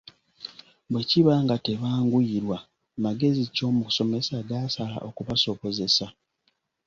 Bwe kiba nga tebanguyirwa magezi ki omusomesa gaasala okubasobozesa?